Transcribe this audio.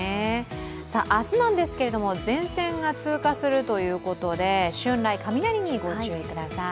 明日なんですけれども、前線が通過するということで春雷、雷にご注意ください。